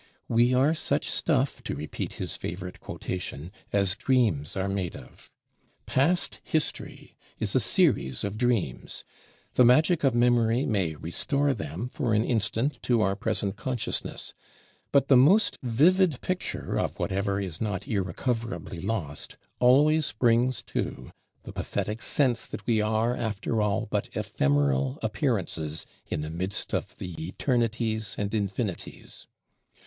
We are such stuff, to repeat his favorite quotation, as dreams are made of. Past history is a series of dreams; the magic of memory may restore them for an instant to our present consciousness. But the most vivid picture of whatever is not irrecoverably lost always brings, too, the pathetic sense that we are after all but ephemeral appearances in the midst of the eternities and infinities.